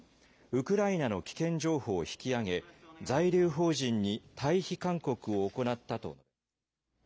ウクライナの危険情報を引き上げ、在留邦人に退避勧告を行ったと述べました。